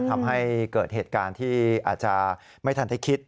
ทำให้เกิดเหตุการณ์ที่อาจจะไม่ทันได้คิด